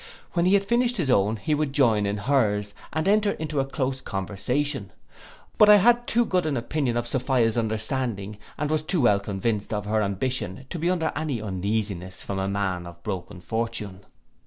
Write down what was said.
When he had finished his own, he would join in hers, and enter into a close conversation: but I had too good an opinion of Sophia's understanding, and was too well convinced of her ambition, to be under any uneasiness from a man of broken fortune.